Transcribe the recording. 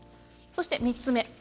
そして３つ目。